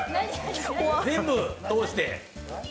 全部通して！